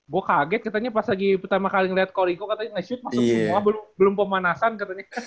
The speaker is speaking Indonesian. gue kaget katanya pas lagi pertama kali ngeliat koriko katanya nasib masuk semua belum pemanasan katanya